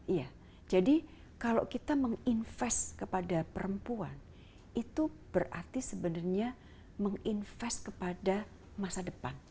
iya jadi kalau kita menginvest kepada perempuan itu berarti sebenarnya menginvest kepada masa depan